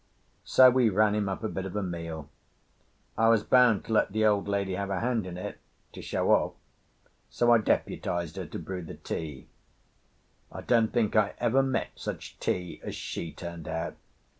So we ran him up a bit of a meal. I was bound to let the old lady have a hand in it, to show off, so I deputised her to brew the tea. I don't think I ever met such tea as she turned out.